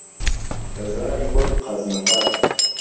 ههزاری وهک قهزنهفهر